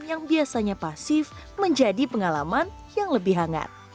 yang biasanya pasif menjadi pengalaman yang lebih hangat